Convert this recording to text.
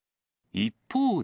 一方で。